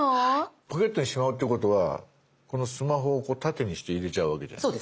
ポケットにしまうってことはこのスマホを縦にして入れちゃうわけじゃないですか？